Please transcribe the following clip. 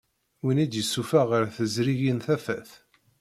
Win i d-yessuffeɣ ɣer tezrigin tafat.